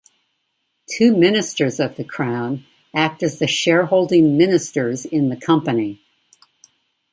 Two Ministers of the Crown act as the shareholding ministers in the company.